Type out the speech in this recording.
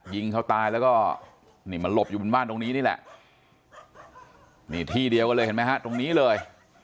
ยิงเขาตายแล้วก็นี่มันหลบอยู่บนบ้านตรงนี้นี่แหละนี่ที่เดียวกันเลยเห็นไหมฮะตรงนี้เลย